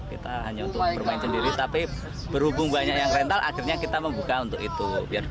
kita hanya untuk bermain sendiri tapi berhubung banyak yang rental akhirnya kita membuka untuk itu